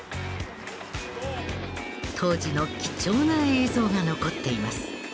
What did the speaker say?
当時の貴重な映像が残っています。